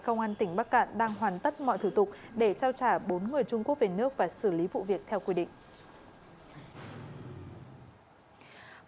công an tỉnh bắc cạn đang hoàn tất mọi thủ tục để trao trả bốn người trung quốc về nước và xử lý vụ việc theo quy định